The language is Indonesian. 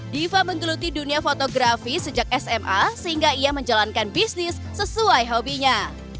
diva menggeluti dunia fotografi sejak sma sehingga ia menjalankan bisnis sesuai hobinya